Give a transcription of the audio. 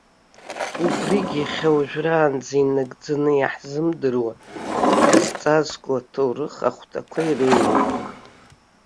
Убрыгь иахьа уажәраанӡа инагӡаны иаҳзымдыруа, акрызҵазкуа аҭоурых ахәҭақәа иреиуоуп.